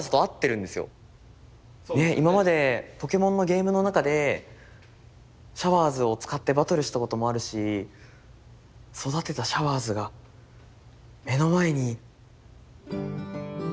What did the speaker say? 今までポケモンのゲームの中でシャワーズを使ってバトルしたこともあるし育てたシャワーズが目の前に。